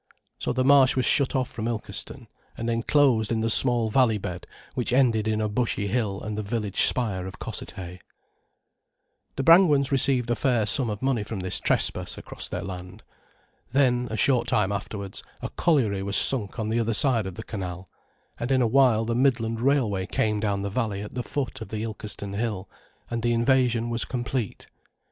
So the Marsh was shut off from Ilkeston, and enclosed in the small valley bed, which ended in a bushy hill and the village spire of Cossethay. The Brangwens received a fair sum of money from this trespass across their land. Then, a short time afterwards, a colliery was sunk on the other side of the canal, and in a while the Midland Railway came down the valley at the foot of the Ilkeston hill, and the invasion was complete.